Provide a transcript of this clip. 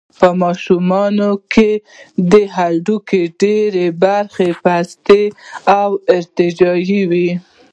په ماشومانو کې د هډوکو ډېره برخه پسته او ارتجاعي وي.